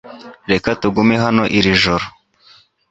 Reka tugume hano iri joro .